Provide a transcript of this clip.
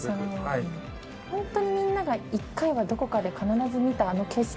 本当にみんなが１回はどこかで必ず見たあの景色ですもんね